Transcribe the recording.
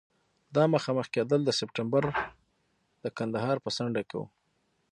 دا مخامخ کېدل د سپټمبر پر د کندهار په څنډو کې وو.